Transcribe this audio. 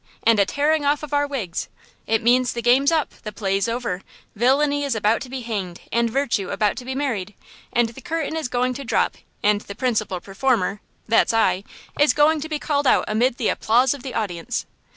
and a tearing off of our wigs! It means the game's up, the play's over, villainy is about to be hanged and virtue about to be married, and the curtain is going to drop and the principal performer–that's I–is going to be called out amid the applause of the audience!"